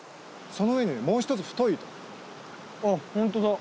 その上にねもう一つ太い糸。